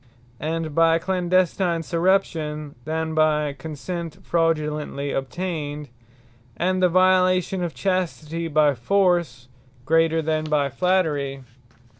And by clandestine Surreption, than by consent fraudulently obtained. And the violation of chastity by Force, greater, than by flattery.